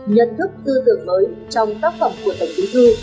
nhận thức tư tưởng mới trong tác phẩm của tổng thống dư